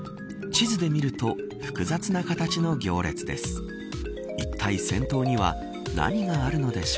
地図で見ると複雑な形の行列です。